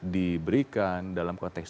diberikan dalam konteks